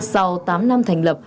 sau tám năm thành lập